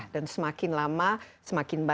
dan semakin lama semakin banyak